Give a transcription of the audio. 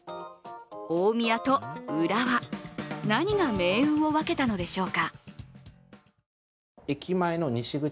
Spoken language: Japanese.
大宮と浦和、何が命運を分けたのでしょうか。